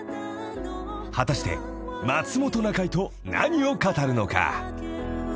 ［果たして松本中居と何を語るのか］